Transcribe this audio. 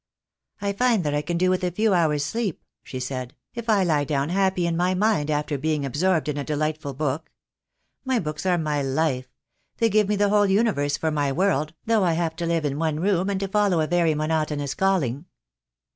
"I find that I can do with a few hours' sleep," she said, "if I lie down happy in my mind after being ab sorbed in a delightful book. My books are my life. They give me the whole universe for my world, though I have to live in one room, and to follow a very monotonous calling."